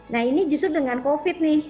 nah ini justru dengan covid nih